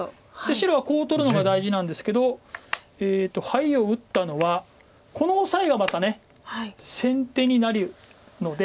白はこう取るのが大事なんですけどハイを打ったのはこのオサエがまた先手になるので。